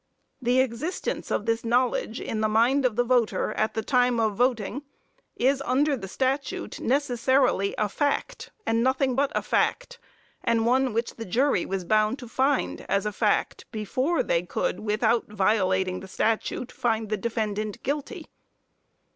The existence of this knowledge, in the mind of the voter, at the time of voting, is under the statute, necessarily a fact and nothing but a fact, and one which the jury was bound to find as a fact, before they could, without violating the statute, find the defendant guilty.